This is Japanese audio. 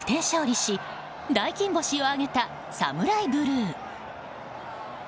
強豪ドイツに逆転勝利し大金星を挙げたサムライブルー。